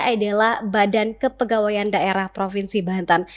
adalah badan kepegawaian daerah provinsi banten